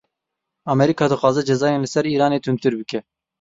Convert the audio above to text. Amerîka dixwaze cezayên li ser Îranê tundtir bike.